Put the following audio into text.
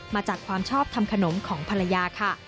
มาจากความชอบทำขนมของภรรยาค่ะ